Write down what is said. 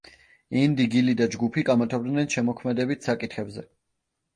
ენდი გილი და ჯგუფი კამათობდნენ შემოქმედებით საკითხებზე.